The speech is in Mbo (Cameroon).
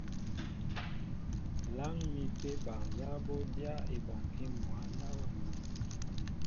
Láŋ mi apē bal nzá bɔ́ dyáá ebɔnkí mwǎ ná wɛ nán?